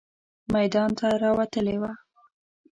میدان ته راوتلې وه.